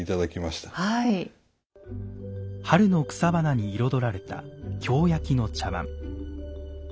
春の草花に彩られた京焼の茶碗。